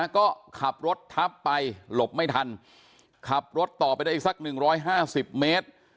ก็ขับรถทับไปหลบไม่ทันขับรถต่อไปได้อีกสัก๑๕๐เมตร